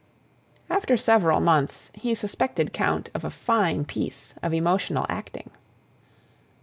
_" After several months he suspected Count of a fine piece of emotional acting.